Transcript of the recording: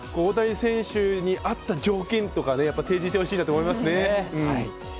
であれば大谷選手に合った条件とか提示してほしいなと思いますね。